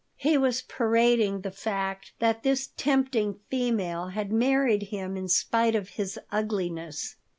He was parading the fact that this tempting female had married him in spite of his ugliness.